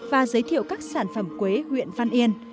và giới thiệu các sản phẩm quế huyện văn yên